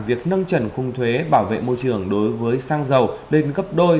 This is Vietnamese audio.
việc nâng trần khung thuế bảo vệ môi trường đối với sang giàu lên gấp đôi